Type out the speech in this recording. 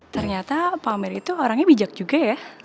ternyata pak amer itu orangnya bijak juga ya